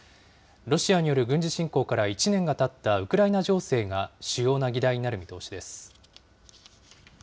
ロシアによる軍事侵攻から１年がたったウクライナ情勢が主要な議題になる見通しです。